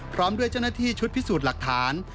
พร้อมด้วยเจ้าหน้าที่ชุดพิสูจน์หลักฐาน